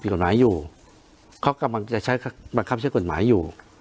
กำลังคับใช้กฎหมายอยู่